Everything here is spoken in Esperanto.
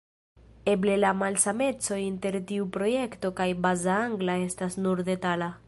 Eble la malsameco inter tiu projekto kaj Baza Angla estas nur detala.